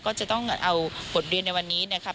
ก็จะต้องเอาบทเรียนในวันนี้นะครับ